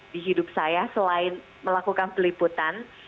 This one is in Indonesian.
di hidup saya selain melakukan peliputan